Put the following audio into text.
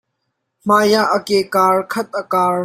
Hmai ah a kee kaar khat a kaar.